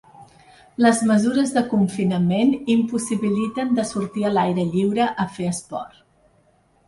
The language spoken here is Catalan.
Les mesures de confinament impossibiliten de sortir a l’aire lliure a fer esport.